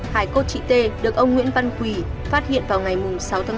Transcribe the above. hải cốt chị t được ông nguyễn văn quỳ phát hiện vào ngày sáu tháng một mươi hai